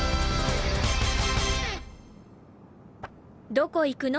どこ行くの？